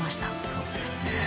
そうですね。